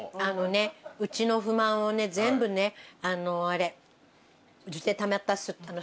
あのねうちの不満をね全部ね。